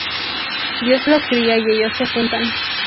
Dios los cría y ellos se juntan